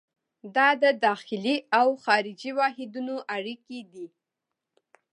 دا د داخلي او خارجي واحدونو اړیکې دي.